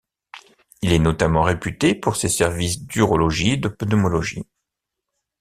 Il est notamment réputé pour ses services d'urologie et de pneumologie.